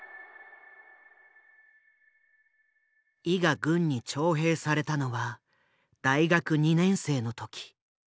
イが軍に徴兵されたのは大学２年生の時。